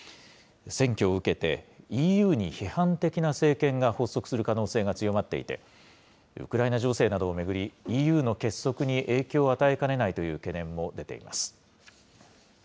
選挙を受けて、ＥＵに批判的な政権が発足する可能性が強まっていて、ウクライナ情勢などを巡り、ＥＵの結束に影響を与えかねないという懸念も出ています。